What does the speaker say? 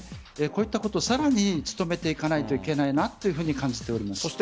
こういったことをさらに努めていかないといけないなと感じています。